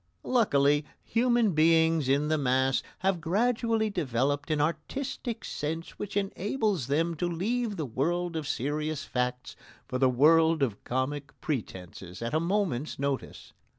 Luckily, human beings in the mass have gradually developed an artistic sense which enables them to leave the world of serious facts for the world of comic pretences at a moment's notice.